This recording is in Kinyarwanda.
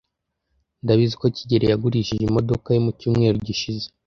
Ndabizi ko kigeli yagurishije imodoka ye mucyumweru gishize.